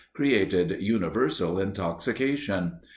created universal intoxication.